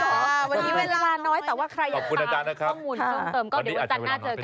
มีเวลาน้อยแต่ว่าใครอยากตามข้อมูลต้องเติมก็เดี๋ยวอาจารย์น่าเจอกัน